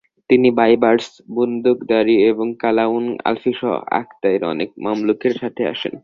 তিনি বাইবার্স বুন্দুকদারি এবং কালাউন আলফিসহ আকতাইয়ের অনেক মামলুকের সাথে আসেন।